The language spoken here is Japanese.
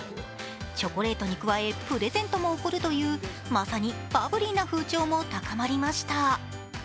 チョコレートに加え、プレゼントも贈るというまさにバブリーな風潮も高まりました。